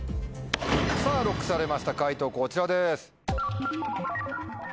さぁＬＯＣＫされました解答こちらです。